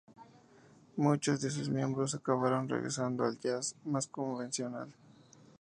Muchos de sus miembros acabaron regresando al jazz más convencional.